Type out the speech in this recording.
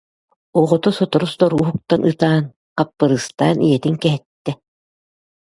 Оҕото сотору-сотору уһуктан ытаан, хаппырыыстаан ийэтин кэһэттэ